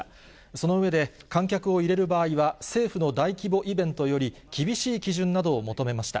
その上で、観客を入れる場合は、政府の大規模イベントより厳しい基準などを求めました。